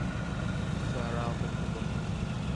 সারা, অপেক্ষা করো।